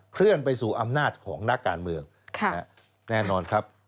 เคลื่อนไปสู่อำนาจของนักการเมืองแน่นอนครับ